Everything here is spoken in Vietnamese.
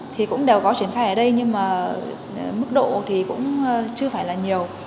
thì cũng đều có triển khai ở đây nhưng mà mức độ thì cũng chưa phải là nhiều